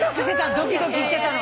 ドキドキしてたの。